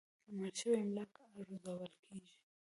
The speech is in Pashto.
مړ شوي املاک ارزول کېږي.